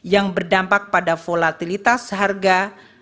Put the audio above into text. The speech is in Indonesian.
yang berdampak pada volatilitas harga